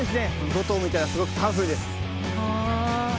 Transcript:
５とうもいたらすごくパワフルです。